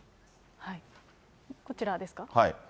こちらですか？